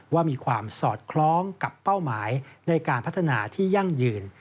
ว่ามีความสอดคล้องกับเป้าหมายในการพัฒนาที่ยั่งยืน